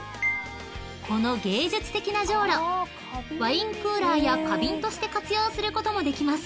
［この芸術的なジョウロワインクーラーや花瓶として活用することもできます］